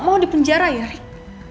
gue gak mau dipenjara ya rick